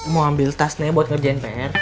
mau ambil tas nih buat ngerjain pr